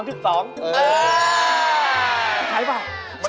ใช้ไม่เปล่า